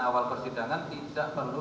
awal persidangan tidak perlu